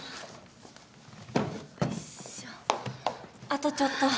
あとちょっと。